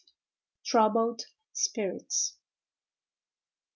TROUBLED SPIRITS.